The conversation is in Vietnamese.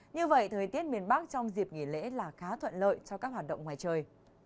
như vậy thời tiết miền bắc trong dịp nghỉ lễ là khá thuận lợi cho các hoạt động ngoài trời